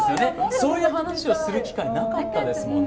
そういう話をする機会なかったですもんね。